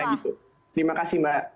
oke pertanyaannya apa terima kasih mbak